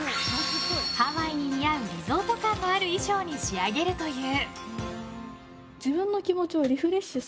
ハワイに似合うリゾート感のある衣装に仕上げるという。